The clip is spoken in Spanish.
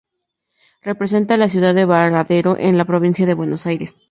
Representa a la ciudad de Baradero, en la Provincia de Buenos Aires.